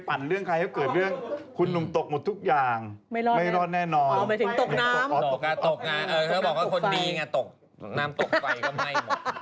มดดำเป็นผู้ที่ไม่เคยยุ่งยุ่งของใครเลย